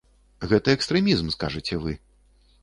Гэта экстрэмізм, скажаце вы.